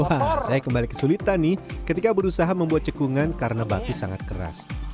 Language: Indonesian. wah saya kembali kesulitan nih ketika berusaha membuat cekungan karena batu sangat keras